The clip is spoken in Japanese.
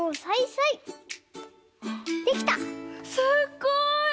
すっごい！